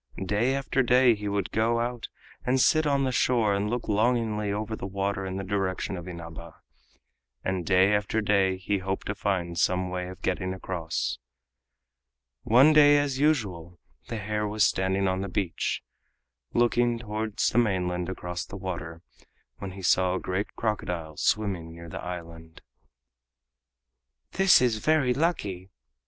Day after day he would go out and sit on the shore and look longingly over the water in the direction of Inaba, and day after day he hoped to find some way of getting across. One day as usual, the hare was standing on the beach, looking towards the mainland across the water, when he saw a great crocodile swimming near the island. "This is very lucky!"